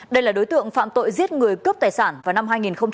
đây là đối tượng phạm tội giết người cướp tài sản vào năm hai nghìn một mươi